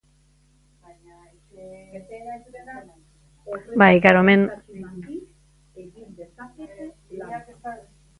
Udala alkatea eta sei zinegotzik osatzen dute.